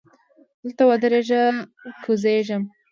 دلته ودریږه! کوزیږم.